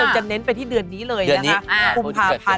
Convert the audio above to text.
จะเน้นไปที่เดือนนี้เลยนะคะ